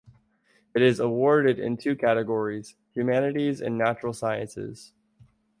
It is awarded in two categories: humanities and natural sciences.